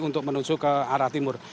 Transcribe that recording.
untuk menuju ke arah timur